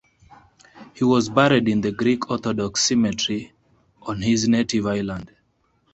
He was buried in the Greek Orthodox cemetery on his native island.